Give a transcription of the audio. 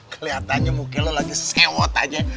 kelihatannya muka lo lagi sewot aja